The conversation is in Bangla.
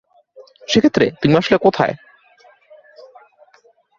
সে ক্ষেত্রে, তুমি আসলে কোথায়?